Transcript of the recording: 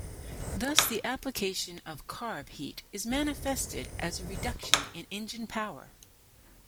Thus the application of carb heat is manifested as a reduction in engine power.